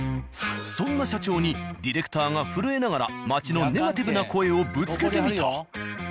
そんな社長にディレクターが震えながら街のネガティブな声をぶつけてみた。